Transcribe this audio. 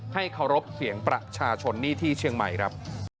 เคารพเสียงประชาชนนี่ที่เชียงใหม่ครับ